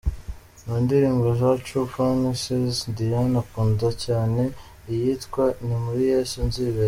Mu ndirimbo za True Promises, Diane akunda cyane iyitwa Ni muri Yesu nzibera.